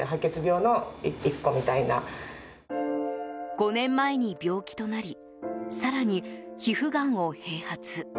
５年前に病気となり更に皮膚がんを併発。